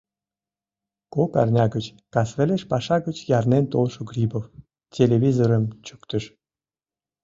Кок арня гыч касвелеш паша гыч ярнен толшо Грибов телевизорым чӱктыш.